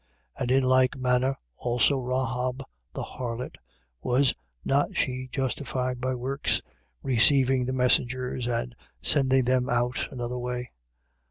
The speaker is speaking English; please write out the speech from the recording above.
2:25. And in like manner also Rahab the harlot, was not she justified by works, receiving the messengers and sending them out another way?